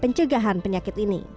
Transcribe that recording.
penyegahan penyakit ini